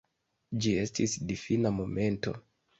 Ĝi estis difina momento.